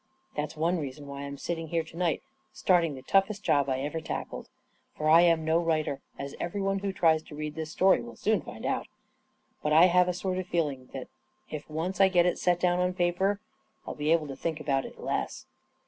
That's one reason why I am sitting here to night starting the toughest job I ever tackled. For I am no writer — as everyone who tries to read this story will soon find out But I have a sort of feeling that if once I get it set down on paper, I'll be able to think about it less.